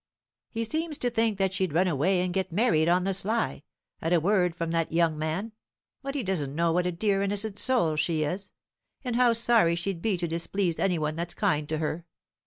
"He seems to think that she'd run away and get married on the sly, at a word from that young man; but he doesn't know what a dear innocent soul she is, and how sorry she'd be to displease any one that's kind to her.